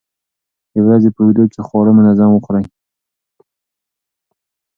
د ورځې په اوږدو کې خواړه منظم وخورئ.